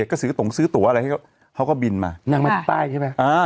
ก็ซื้อตรงซื้อตัวอะไรให้เขาเขาก็บินมานั่งมาใต้ใช่ไหมอ่า